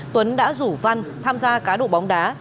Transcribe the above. tuấn đã rủ văn tham gia cá độ bóng đá